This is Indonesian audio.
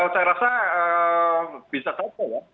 saya rasa bisa saja ya